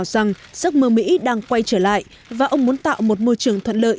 rằng giấc mơ mỹ đang quay trở lại và ông muốn tạo một môi trường thuận lợi